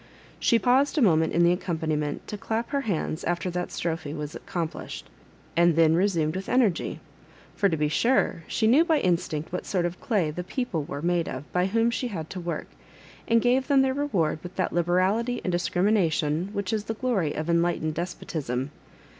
She paused a mo ment in the accompaniment to dap her hands after that strophe was accomplished, and then resumed with energy. For, to be sure, she knew by instmct what sort of clay the people were made of by whom she had to work, and gave them their r^ ward with that liberality and discrimination which is the glory of enlightened despotism.